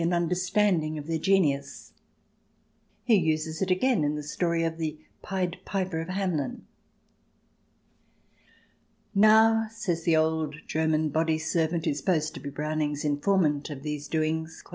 xiii and understanding of their genius. He uses it again in the story of the Pied Piper of Hamelin. " Now," says the old German body servant, who is supposed to be Browning's informant of these doings —